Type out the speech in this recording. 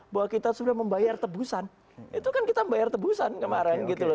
bahwa kita sudah membayar tebusan itu kan kita membayar tebusan kemarin gitu loh